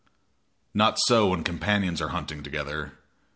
Not so when companions are hunting together.